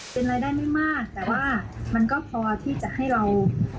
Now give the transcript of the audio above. เป็นรายได้ไม่มากแต่ว่ามันก็พอที่จะให้เรา